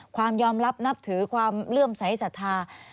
ความยอมรับนับถือความเลื่อมใสสัทธา